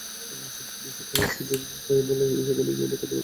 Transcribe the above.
সবচেয়ে বেশি খেলার সুযোগ পায় বলেই এখানে ইংল্যান্ডের কথা আলাদা বলা।